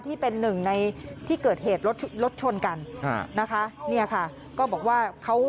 ที่เป็นหนึ่งในที่เกิดเหตุลดชนกันนะคะ